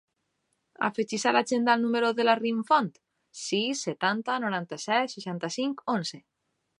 Afegeix a l'agenda el número de la Rim Font: sis, setanta, noranta-set, seixanta-cinc, onze.